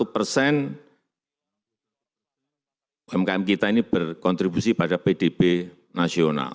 dua puluh persen umkm kita ini berkontribusi pada pdb nasional